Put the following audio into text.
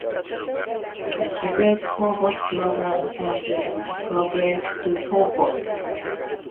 The Soviet Phobos program sent two probes to Phobos.